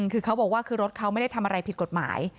คือเขาบอกว่าคือรถเขาไม่ได้ทำอะไรผิดกฎหมาย